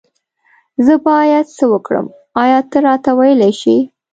زه بايد سه وکړم آيا ته راته ويلي شي